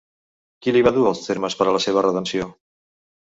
Qui li va dur els termes per a la seva redempció?